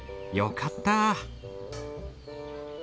よかった。